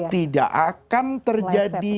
tidak akan terjadi